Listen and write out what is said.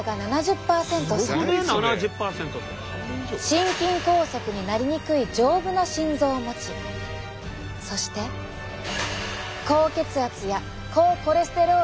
心筋梗塞になりにくい丈夫な心臓を持ちそして高血圧や高コレステロールに悩む人もほとんどいない。